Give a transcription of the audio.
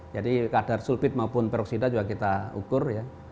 jadi kadar sulfit maupun peroksida juga kita ukur ya